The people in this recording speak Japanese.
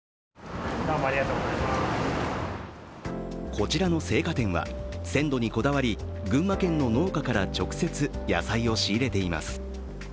こちらの青果店は、鮮度にこだわり、群馬県の農家から直接野菜を仕入れています。